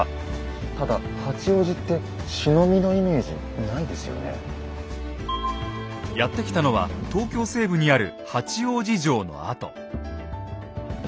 ただやって来たのは東京西部にある八王子城の跡。